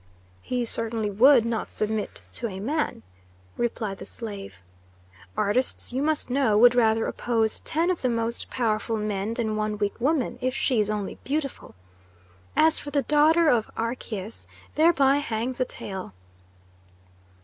"He certainly would not submit to a man," replied the slave. "Artists, you must know, would rather oppose ten of the most powerful men than one weak woman, if she is only beautiful. As for the daughter of Archias thereby hangs a tale."